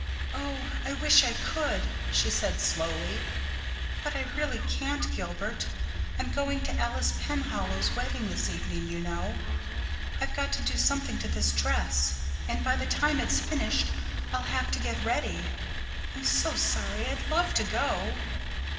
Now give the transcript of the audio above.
"Oh, I wish I could," she said slowly, "but I really can't, Gilbert. I'm going to Alice Penhallow's wedding this evening, you know. I've got to do something to this dress, and by the time it's finished I'll have to get ready. I'm so sorry. I'd love to go."